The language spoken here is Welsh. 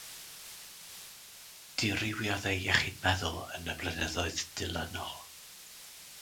Dirywiodd ei iechyd meddwl yn y blynyddoedd dilynol.